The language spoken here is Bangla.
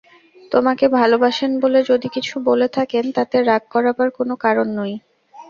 তোমাকে ভালোবাসেন বলে যদি কিছু বলে থাকেন তাতে রাগ করাবার কোনো কারণ কনই।